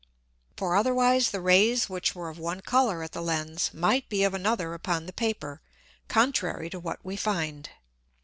For otherwise the Rays which were of one Colour at the Lens might be of another upon the Paper, contrary to what we find.